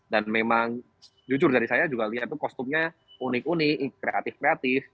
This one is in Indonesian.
dan memang jujur dari saya juga lihat kostumnya unik unik kreatif kreatif